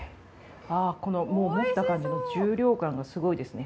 あぁこのもう持った感じの重量感がすごいですね。